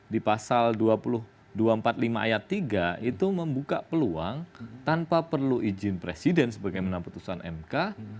di pasal dua ratus empat puluh lima ayat tiga itu membuka peluang tanpa perlu izin presiden sebagaimana putusan mk